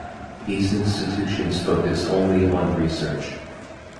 These institutions focus only on research.